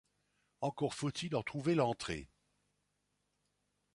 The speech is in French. Encore fautil en trouver l'entrée.